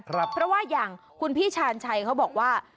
เพราะว่าอย่างคุณพี่ชาญชัยเขาบอกว่า